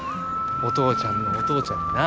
お父ちゃんのお父ちゃんにな。